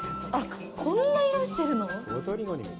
こんな色してるの？